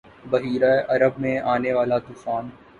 بحیرہ عرب میں آنے والا ’طوفان